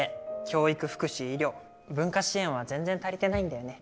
教育福祉医療文化支援は全然足りてないんだよね。